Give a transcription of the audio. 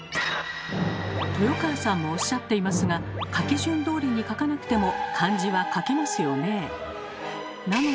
豊川さんもおっしゃっていますが書き順どおりに書かなくても漢字は書けますよねえ。